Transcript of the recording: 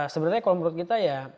sebenarnya kalau menurut kita ya